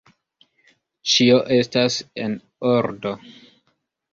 Ĉio estas en ordo!